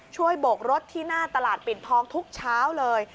โบกรถที่หน้าตลาดปิ่นทองทุกเช้าเลย